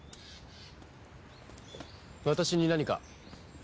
私に何か？